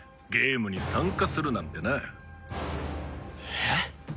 えっ！？